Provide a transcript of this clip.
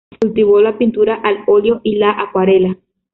Cultivó la pintura al óleo y la acuarela.